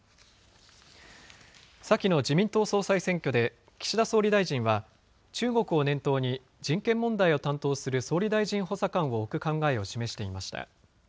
先の自民党総裁選挙で、岸田総理大臣は、中国を念頭に、人権問題を担当する総理大臣補佐官を置く考えを示していました。